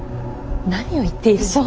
何を言っているの。